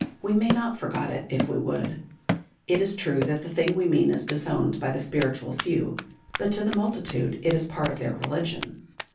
We may not forgot it if we would. It is true that the thing we mean is disowned by the spiritual few, but to the multitude it is part of their religion.